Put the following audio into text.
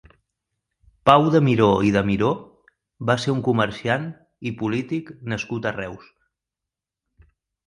Pau de Miró i de Miró va ser un comerciant i polític nascut a Reus.